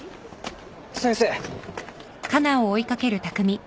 先生！